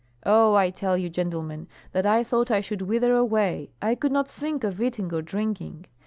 Oh, I tell you, gentlemen, that I thought I should wither away I could not think of eating or drinking.